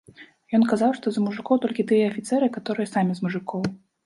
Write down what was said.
Ён казаў, што за мужыкоў толькі тыя афіцэры, каторыя самі з мужыкоў.